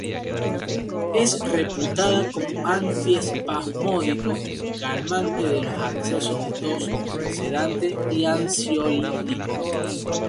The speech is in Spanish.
Es reputada como antiespasmódico, calmante de los accesos de tos, sedante y ansiolítico.